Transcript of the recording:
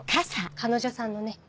彼女さんのね。